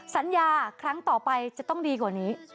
สัญญาครั้งต่อไปจะต้องดีกว่านี้